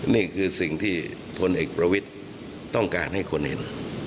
นี่คือสิ่งที่พลเอกประวิทย์ต้องการให้คนเห็น